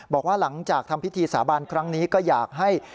บอกว่าหลังจากทำพิธีสาบานครั้งนี้ก็อยากให้